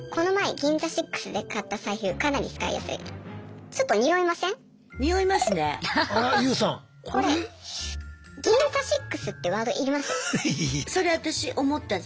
「銀座ＳＩＸ」ってワード要ります？